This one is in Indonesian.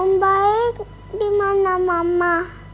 om baik dimana mama